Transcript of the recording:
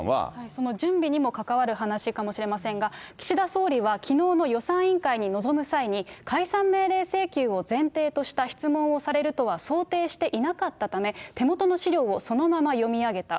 その準備にも関わる話かもしれませんが、岸田総理はきのうの予算委員会に臨む際に、解散命令請求を前提とした質問をされるとは想定してなかったため、手元の資料をそのまま読み上げた。